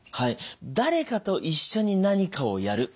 誰かと一緒に何かをやる。